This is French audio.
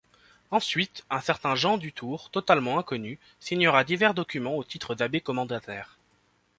Ensuite, un certain Jean Dutour, totalement inconnu, signera divers documents, au titre d'abbé commendataire.